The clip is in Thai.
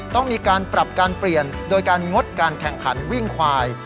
ต้องมีการปรับการเปลี่ยนโดยการงดการแข่งขันวิ่งควาย